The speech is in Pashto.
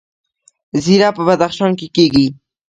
زیره په بدخشان کې کیږي